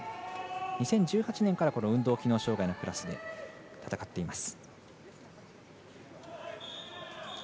２０１８年から運動機能障がいのクラスで戦っています。